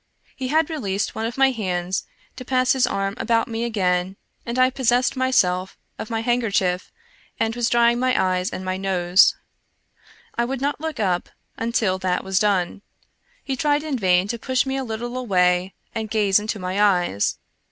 He had released one of my hands to pass his arm about me again, and I possessed myself of my handkerchief and was drying my eyes and my nose. I would not look up until that was done ; he tried in vain to push me a little away and gaze into my eyes.